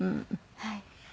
はい。